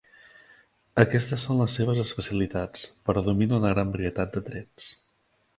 Aquestes són les seves especialitats, però domina una gran varietat de trets.